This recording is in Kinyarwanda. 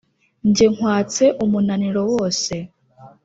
jye nkwatse umunaniro wose.